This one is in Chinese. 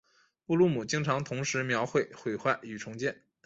布鲁姆经常同时描绘毁坏与重建。